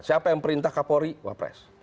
siapa yang perintah kapolri wapres